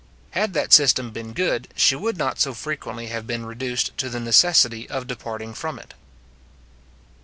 Had that system been good, she would not so frequently have been reduced to the necessity of departing from it.